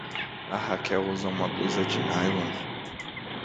A Raquel usa uma blusa de nylon.